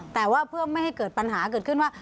แต่ว่าเพื่อไม่ให้เกิดปัญหาเกิดขึ้นว่า